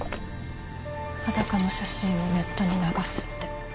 裸の写真をネットに流すって。